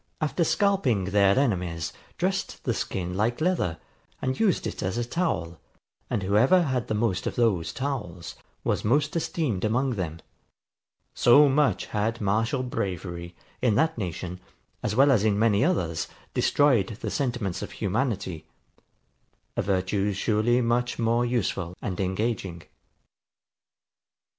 ] after scalping their enemies, dressed the skin like leather, and used it as a towel; and whoever had the most of those towels was most esteemed among them. So much had martial bravery, in that nation, as well as in many others, destroyed the sentiments of humanity; a virtue surely much more useful and engaging.